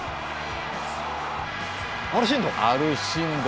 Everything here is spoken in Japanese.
アルシンド！